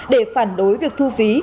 để phản đối việc thu phí